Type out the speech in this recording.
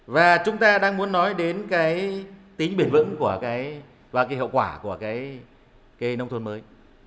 và chúng ta đang muốn nói đến tính bền vững và hiệu quả của nông thôn mới